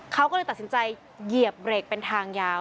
เขาก็เลยตัดสินใจเหยียบเบรกเป็นทางยาว